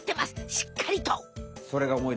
しっかりと！